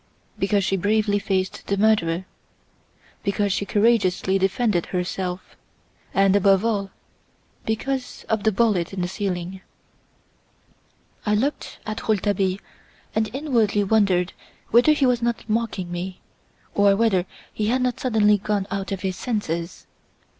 "Because she bravely faced the murderer; because she courageously defended herself and, above all, because of the bullet in the ceiling." I looked at Rouletabille and inwardly wondered whether he was not mocking me, or whether he had not suddenly gone out of his senses.